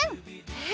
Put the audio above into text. え！